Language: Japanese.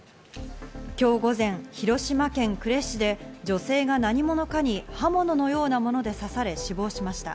今日午前、広島県呉市で女性が何者かに刃物のようなもので刺され死亡しました。